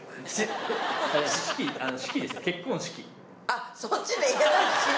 あっそっちね！